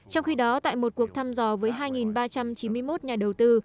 trong khi đó tại một cuộc thăm dò với hai ba trăm chín mươi một nhà đầu tư